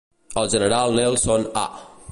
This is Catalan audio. El general Nelson A.